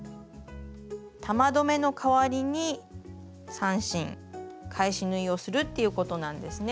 玉留めの代わりに３針返し縫いをするっていうことなんですね。